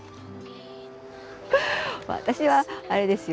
私はあれですよ。